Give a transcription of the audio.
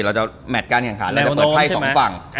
เราจะเปิดไพ่สองฝั่ง